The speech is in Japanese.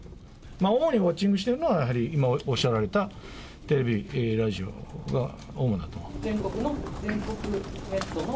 主にウォッチングしているのは、やはり今おっしゃられたテレビ、全国の、全国ネットの？